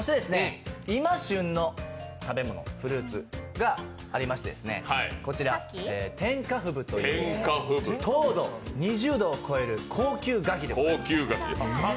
そして今旬の食べ物、フルーツがありまして天下富舞といいまして糖度２０度を超える高級柿でございます。